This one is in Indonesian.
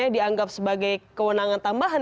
dianggap sebagai kewenangan tambahan